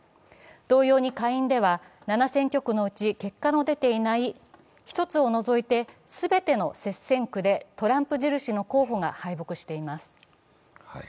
同様に下院では７選挙区のうち結果の出ていない１つを除いて全ての接戦区でトランプ印の候補が敗北しています。